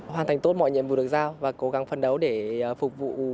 hoàn thành tốt mọi nhiệm vụ được giao và cố gắng phấn đấu để ở lại phục vụ cho đất nước